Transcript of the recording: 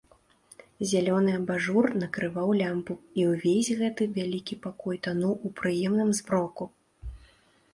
Зялёны абажур накрываў лямпу, і ўвесь гэты вялікі пакой тануў у прыемным змроку.